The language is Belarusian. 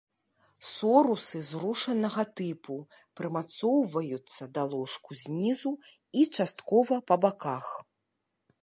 Сорусы зрушанага тыпу, прымацоўваюцца да ложу знізу і часткова па баках.